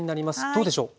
どうでしょう？